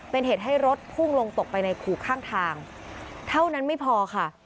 เป็นเหตุให้รถพุ่งลงตกไปในขู่ข้างทางเท่านั้นไม่พอค่ะ